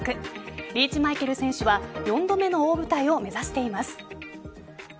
リーチ・マイケル選手は４度目の大舞台を目指しています。